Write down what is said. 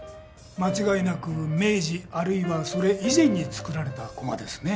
間違いなく明治あるいはそれ以前に作られた駒ですね。